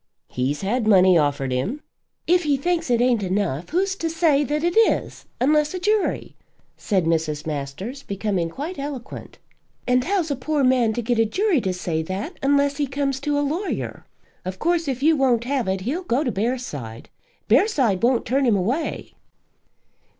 "He's had money offered him." "If he thinks it ain't enough, who's to say that it is, unless a jury?" said Mrs. Masters, becoming quite eloquent. "And how's a poor man to get a jury to say that, unless he comes to a lawyer? Of course, if you won't have it, he'll go to Bearside. Bearside won't turn him away."